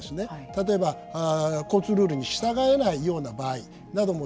例えば交通ルールに従えないような場合などもですね